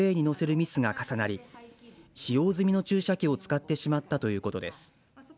ミスが重なり使用済みの注射器を使ってしまったということです。